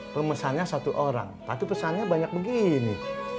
pemesannya satu orang tapi pesannya banyak begini